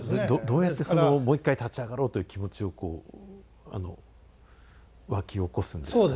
どうやってそのもう一回立ち上がろうという気持ちをこうわき起こすんですか？